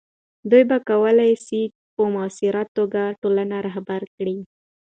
دوی بیا کولی سي په مؤثره توګه ټولنه رهبري کړي.